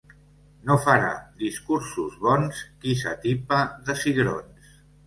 No farà discursos bons qui s'atipa de cigrons.